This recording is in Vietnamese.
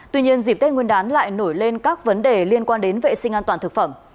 tuy nhiên dịp tết nguyên đán lại nổi lên các vấn đề liên quan đến vệ sinh an toàn thực phẩm